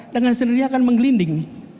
dengan sendirinya akan menggelinding